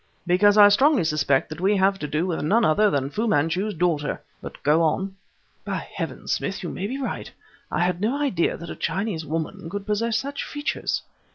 "Because I strongly suspect that we have to do with none other than Fu Manchu's daughter! But go on." "By heavens, Smith! You may be right! I had no idea that a Chinese woman could possess such features."